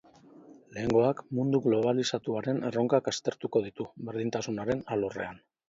Lehengoak mundu globalizatuaren erronkak aztertuko ditu, berdintasunaren alorrean.